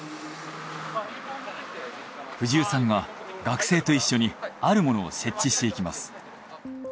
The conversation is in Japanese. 藤生さんが学生と一緒にあるものを設置していきます。